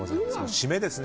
締めですね。